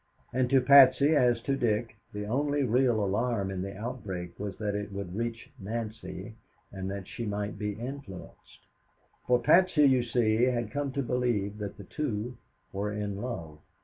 And to Patsy as to Dick, the only real alarm in the outbreak was that it would reach Nancy and that she might be influenced. For Patsy you see had come to believe that the two were in love.